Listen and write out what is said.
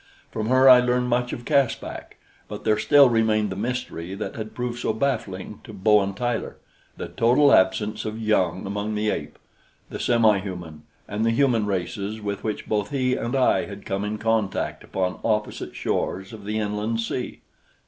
From her I learned much of Caspak, but there still remained the mystery that had proved so baffling to Bowen Tyler the total absence of young among the ape, the semihuman and the human races with which both he and I had come in contact upon opposite shores of the inland sea.